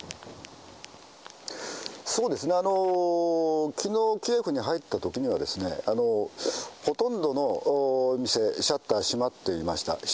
そうですね、きのう、キエフに入ったときには、ほとんどの店、シャッター閉まっていました。